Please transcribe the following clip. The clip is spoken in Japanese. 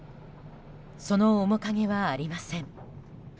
その面影はありません。